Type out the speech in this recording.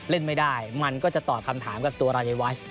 เล่นไม่ได้มันก็จะตอบคำถามกับตัวรายวัช